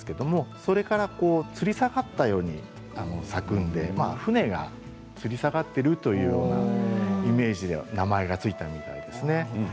それからつり下がったように咲くので船がつり下がっているというようなイメージで名前が付いたんですね。